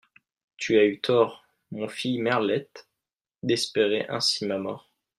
Tu as eu tort, mon fille Merlette, d'espérer ainsi ma mort.